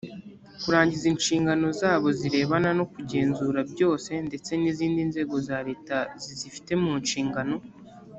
kurangiza inshingano zabo zirebana no kugenzura byose ndetse n’izindi nzego za leta zizifite mu nshingano